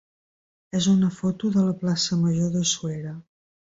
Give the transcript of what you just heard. és una foto de la plaça major de Suera.